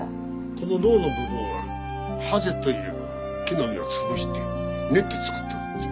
このろうの部分はハゼという木の実を潰して練って作っとるんじゃ。